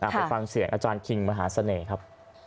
ไปฟังเสียงอาจารย์คิงมหาเสน่ห์ครับ